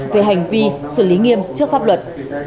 về hành vi xử lý nghiêm trước pháp luật